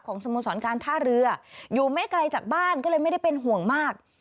สโมสรการท่าเรืออยู่ไม่ไกลจากบ้านก็เลยไม่ได้เป็นห่วงมาก